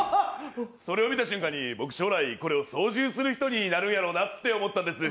それを見た瞬間に、僕、将来これを操縦する人になるんやろうなって思ったんです。